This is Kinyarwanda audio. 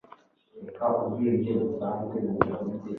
ntukite ku byo so avuga